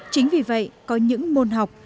chính vì vậy có những môn học